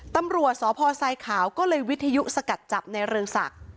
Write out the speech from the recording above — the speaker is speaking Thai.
ตำรวจสพทรายขาวก็เลยวิทยุสกัดจับในเรืองศักดิ์